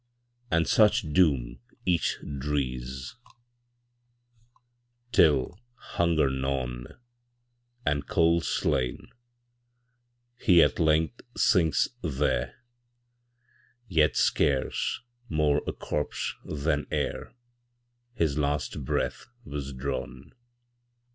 And such doom each drees, Till, hunger gnawn, And cold slain, he at length sinks there, Yet scarce more a corpse than ereHis last breath was drawn.